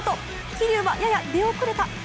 桐生は、やや出遅れた！